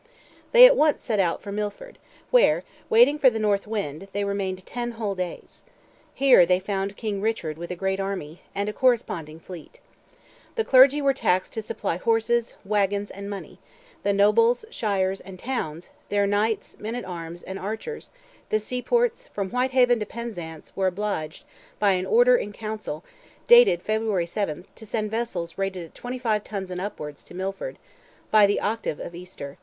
They at once set out for Milford, where, "waiting for the north wind," they remained "ten whole days." Here they found King Richard with a great army, and a corresponding fleet. The clergy were taxed to supply horses, waggons, and money—the nobles, shires, and towns, their knights, men at arms, and archers—the seaports, from Whitehaven to Penzance, were obliged, by an order in council, dated February 7th, to send vessels rated at twenty five tons and upwards to Milford, by the octave of Easter.